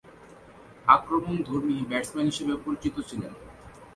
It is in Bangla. আক্রমণধর্মী ব্যাটসম্যান হিসেবে পরিচিত ছিলেন।